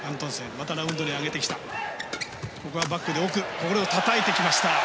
これをたたいてきました。